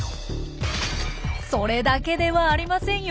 それだけではありませんよ。